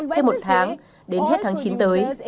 theo một tháng đến hết tháng chín tới